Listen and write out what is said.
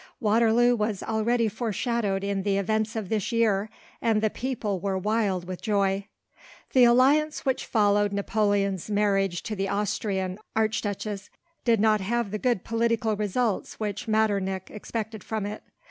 Waterloo was already foreshadowed in the events of this year, and the people were wild with joy. The alliance which followed Napoleon's marriage to the Austrian Archduchess did not have the good political results which Metternich expected from it.